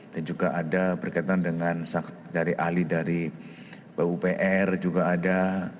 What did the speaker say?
juga ada berkaitan dengan dari ahli dari pupr juga ada